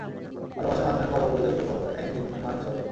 ভালোবাসার মাধ্যমে কর্ম পরিচালিত করো, এক দিন তুমি মানুষ হবে।